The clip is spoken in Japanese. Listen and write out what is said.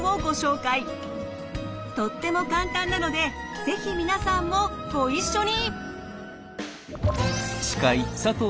とっても簡単なので是非皆さんもご一緒に。